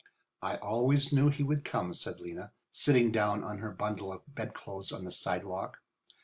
"I always knew he would come," said Lena, sitting down on her bundle of bedclothes on the sidewalk.